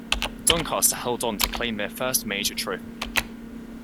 Doncaster held on to claim their first major trophy.